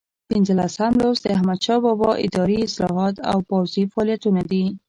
پنځم لوست د احمدشاه بابا اداري اصلاحات او پوځي فعالیتونه دي.